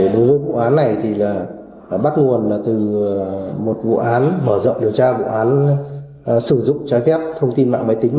đối với vụ án này thì là bắt nguồn là từ một vụ án mở rộng điều tra vụ án sử dụng trái phép thông tin mạng máy tính